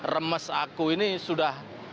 remes aku ini sudah